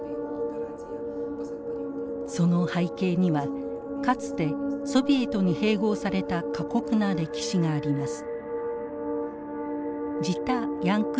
その背景にはかつてソビエトに併合された過酷な歴史があります。